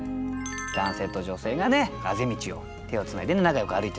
男性と女性があぜ道を手をつないで仲よく歩いてる感じ。